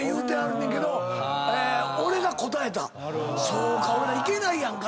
そうか行けないやんか。